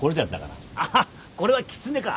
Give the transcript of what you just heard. あっこれはキツネか。